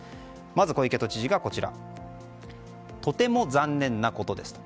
まず小池都知事とても残念なことですと。